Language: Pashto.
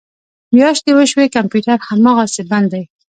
میاشتې وشوې کمپیوټر هماسې بند دی